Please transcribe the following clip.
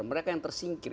mereka yang tersingkir